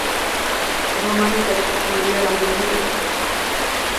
რომანი გადათარგმნილია რამდენიმე ენაზე.